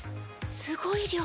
すごい量。